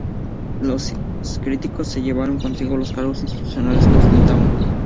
Los críticos se llevaron consigo los cargos institucionales que ostentaban.